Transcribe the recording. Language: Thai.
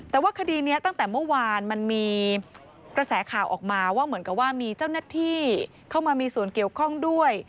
แต่ว่าคดีนี้ตั้งแต่เมื่อวานมันมีกระแสข่าวออกมาว่าเหมือนกับว่ามีเจ้าหน้าที่เข้ามามีส่วนเกี่ยวข้องด้วย